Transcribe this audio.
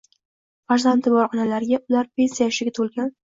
Farzandi bor onalarga, ular pensiya yoshiga toʻlgan